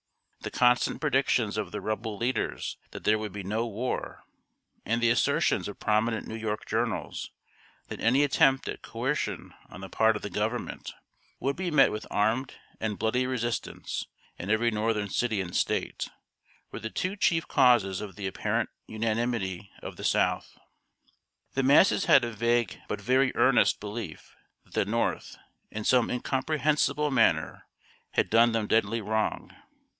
The constant predictions of the Rebel leaders that there would be no war, and the assertions of prominent New York journals, that any attempt at coercion on the part of the Government would be met with armed and bloody resistance in every northern city and State, were the two chief causes of the apparent unanimity of the South. The masses had a vague but very earnest belief that the North, in some incomprehensible manner, had done them deadly wrong.